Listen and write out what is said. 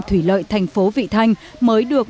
thủy lợi thành phố vị thanh mới được